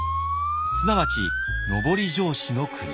すなわち上り調子の国。